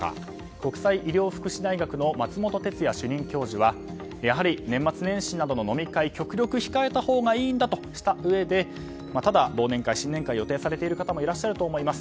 国際医療福祉大学の松本哲哉主任教授は年末年始などの飲み会は極力控えたほうがいいんだとしたうえでただ、忘年会、新年会を予定されている方もいらっしゃると思います。